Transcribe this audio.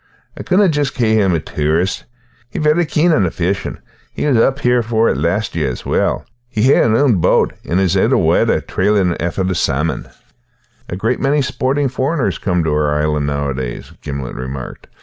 I couldna just cae him a tourist. He's vary keen on the fishin' and was up here for it last year as well. He has his ain boat and is aye on the water trailin' aefter the salmon." "A great many sporting foreigners come to our island nowadays," Gimblet remarked.